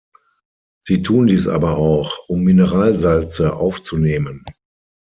Sie tun dies aber auch, um Mineralsalze aufzunehmen.